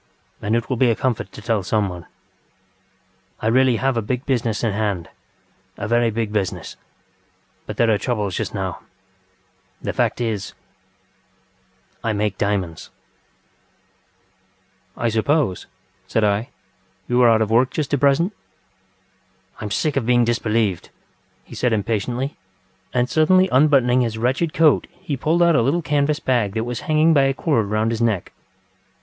And it will be a comfort to tell someone. I really have a big business in hand, a very big business. But there are troubles just now. The fact is .... I make diamonds. ŌĆØ ŌĆ£I suppose, ŌĆØ said I, ŌĆ£you are out of work just at present? ŌĆØ ŌĆ£I am sick of being disbelieved, ŌĆØ he said impatiently, and suddenly unbuttoning his wretched coat he pulled out a little canvas bag that was hanging by a cord round his neck.